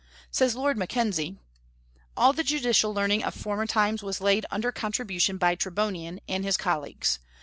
Says Lord Mackenzie: "All the judicial learning of former times was laid under contribution by Tribonian and his colleagues.